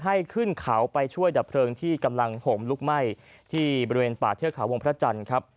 ให้ขึ้นเขาไปช่วยดับเพลิงที่กำลังห่มลุกไหม้ที่บริเวณป่าเทือกเขาวงพระจันทร์ครับ